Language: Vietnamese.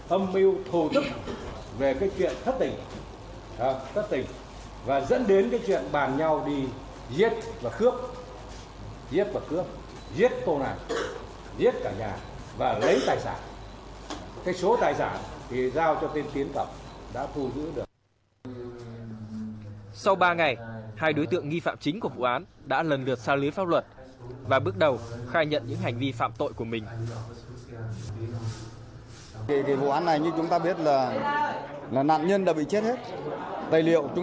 âm mưu thổ thức về cái chuyện thất tình và dẫn đến cái chuyện bàn nhau đi giết và cướp giết và cướp giết tô nạn giết cả nhà và lấy tài sản